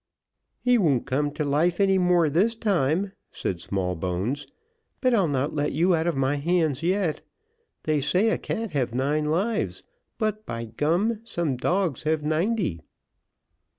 "He won't a cum to life any more this time," said Smallbones; "but I'll not let you out of my hands yet. They say a cat have nine lives, but, by gum, some dogs have ninety."